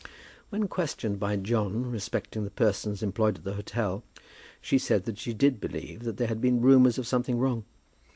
When questioned by John respecting the persons employed at the inn, she said that she did believe that there had been rumours of something wrong.